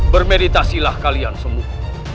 bermeditasilah kalian semua